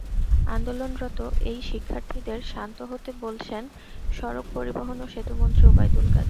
আন্দোলনরত এই শিক্ষার্থীদের শান্ত হতে বলেছেন সড়ক পরিবহন ও সেতুমন্ত্রী ওবায়দুল কাদের।